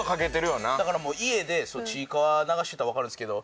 だからもう家で『ちいかわ』流してたらわかるんですけど。